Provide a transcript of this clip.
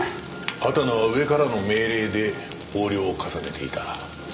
畑野は上からの命令で横領を重ねていた。